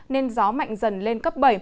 nên gió mạnh dần lên cấp bảy